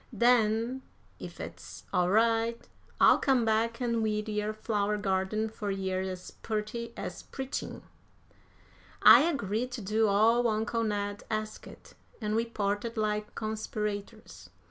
Den, ef it's all right, I'll come back an' weed yer flower garden fur yer as purty as preachin'." I agreed to do all uncle Ned asked, and we parted like conspirators.